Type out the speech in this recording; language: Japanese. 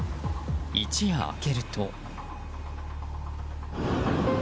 一夜明けると。